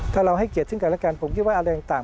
ถ้าเราให้เกียรติซึ่งกันและกันผมคิดว่าอะไรต่าง